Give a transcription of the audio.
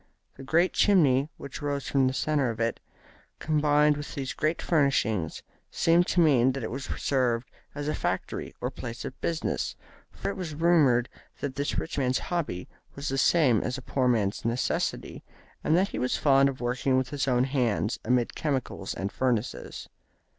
The great chimney which rose from the centre of it, combined with these strange furnishings, seemed to mean that it was reserved as a factory or place of business, for it was rumoured that this rich man's hobby was the same as a poor man's necessity, and that he was fond of working with his own hands amid chemicals and furnaces.